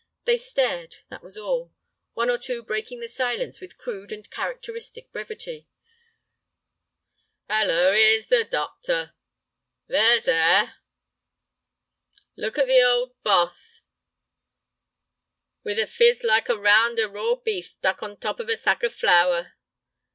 They stared, that was all, one or two breaking the silence with crude and characteristic brevity. "'Ello, 'ere's the b——y doctor." "There's 'air!" "Look at the hold boss, with a phiz like a round o' raw beef stuck hon top of a sack of flour."